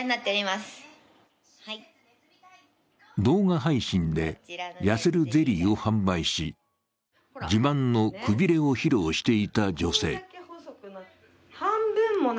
動画配信で痩せるゼリーを販売し自慢のくびれを披露していた女性。